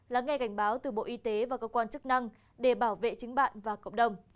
lắng nghe cảnh báo từ bộ y tế và cơ quan chức năng để bảo vệ chính bạn và cộng đồng